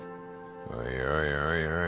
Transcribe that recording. おいおいおいおい。